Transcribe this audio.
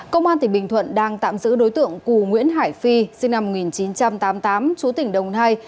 công an tỉnh bình thuận đang tạm giữ đối tượng cù nguyễn hải phi sinh năm một nghìn chín trăm tám mươi tám chú tỉnh đồng nai